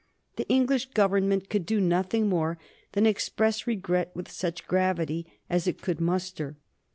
The English Government could do nothing more than express regret with such gravity as it could muster.